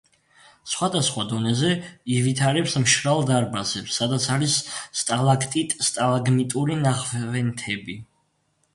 სხვადასხვა დონეზე ივითარებს მშრალ დარბაზებს, სადაც არის სტალაქტიტ–სტალაგმიტური ნაღვენთები.